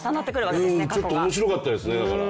ちょっと面白かったですね、だから。